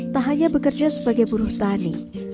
tak hanya bekerja sebagai buruh tani